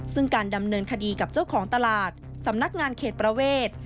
ซึ่งการดำเนินคดีกับเจ้าของตลาดสำนักงานเขตประเวท